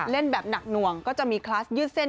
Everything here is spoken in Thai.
เล่นแบบหนักหน่วงก็จะมีคลาสยืดเส้น